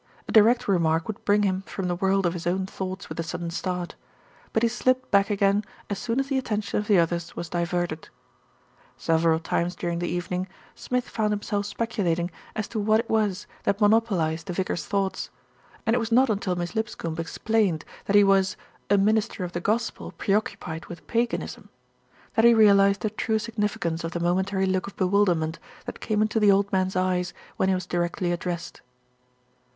A direct remark would bring him from the world of his own thoughts with a sudden start; but he slipped back again as soon as the attention of the others was di verted. Several times during the evening, Smith found him self speculating as to what it was that monopolised the vicar's thoughts, and it was not until Miss Lipscombe explained that he was "a minister of the gospel pre occupied with paganism" that he realised the true sig nificance of the momentary look of bewilderment that came into the old man's eyes when he was directly ad dressed.